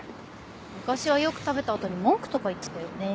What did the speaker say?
昔はよく食べた後に文句とか言ってたよね。